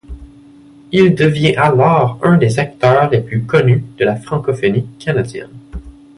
Il devient alors un des acteurs les plus connus de la francophonie canadienne.